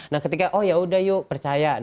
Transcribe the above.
nah ketika oh yaudah yuk percaya